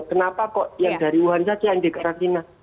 kenapa kok yang dari wuhan saja yang dikarantina